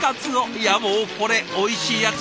いやもうこれおいしいやつ。